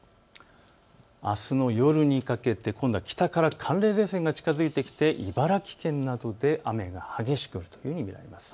あすの夜にかけて今度は北から寒冷前線が近づいてきて茨城県などで雨が激しく降るというふうに見られます。